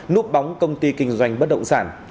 núp bóng công ty kinh doanh bất động sản